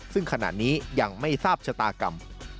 ซึ่งขณะนี้ยังไม่ทราบชะตากรรม